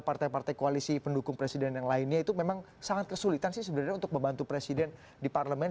partai partai koalisi pendukung presiden yang lainnya itu memang sangat kesulitan sih sebenarnya untuk membantu presiden di parlemen